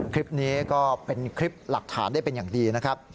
คลิปนี้ก็เป็นคลิปหลักฐานได้เป็นอย่างดีนะครับ